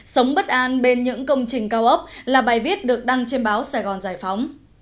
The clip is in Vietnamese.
sống bất an bên những công trình cao ốc là bài viết được đăng trên báo sài gòn giải phóng